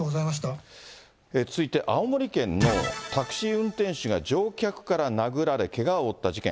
続いて、青森県のタクシー運転手が乗客から殴られ、けがを負った事件。